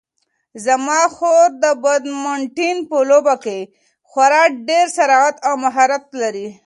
زما خور د بدمینټن په لوبه کې خورا ډېر سرعت او مهارت لري.